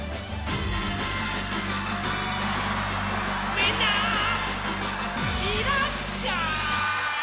みんないらっしゃい。